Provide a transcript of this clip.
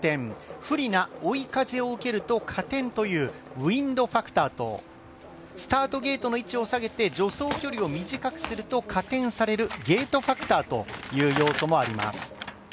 不利な追い風を受けると加点という、ウインドファクターとスタート位置を下げて助走位置を短くすると加点されるゲートファクターという要素もあります。